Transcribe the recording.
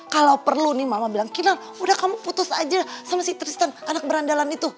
kalau perlu nih mama bilang kinal udah kamu putus aja sama si kristen anak berandalan itu